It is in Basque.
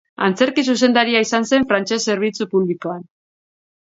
Antzerki-zuzendaria izan zen frantses zerbitzu publikoan.